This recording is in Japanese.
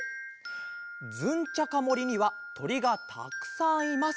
「ズンチャカもりにはとりがたくさんいます。